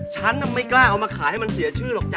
ฉันไม่กล้าเอามาขายให้มันเสียชื่อหรอกจ้